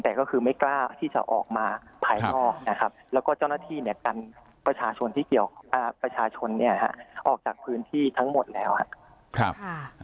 แต่ก็คือไม่กล้าที่จะออกมาภายนอกนะครับแล้วก็เจ้าหน้าที่เนี่ยกันประชาชนที่เกี่ยวกับประชาชนเนี่ยฮะออกจากพื้นที่ทั้งหมดแล้วครับ